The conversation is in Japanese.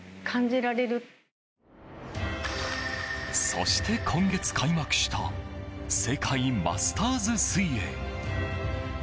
そして今月開幕した世界マスターズ水泳。